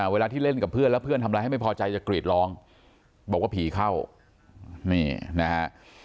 เวลาที่เล่นกับเพื่อนแล้วเพื่อนทำอะไรให้ไม่พอใจจะกรีดร้องบอกว่าผีเข้านี่นะฮะ